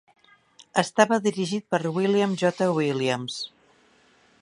Estava dirigit per William J. Williams.